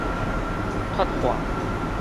脫化